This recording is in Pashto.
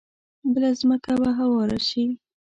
بله ځمکه به هواره شي.